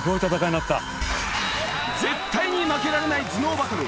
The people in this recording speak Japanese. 絶対に負けられない頭脳バトル。